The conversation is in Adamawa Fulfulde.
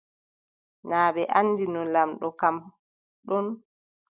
Naa ɓe anndino lamɗo kam ɗon.